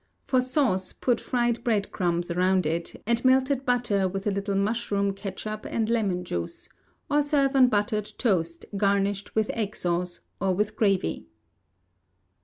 For sauce, put fried bread crumbs round it, and melted butter with a little mushroom ketchup and lemon juice, or serve on buttered toast, garnished with egg sauce, or with gravy.